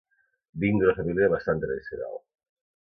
vinc d'una família bastant tradicional